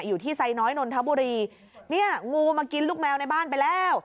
อยู่ที่ไซน้อยนนทบุรีเนี่ยงูมากินลูกแมวในบ้านไปแล้ว